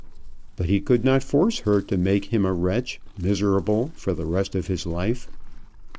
But he could not force her to make him a wretch, miserable for the rest of his life!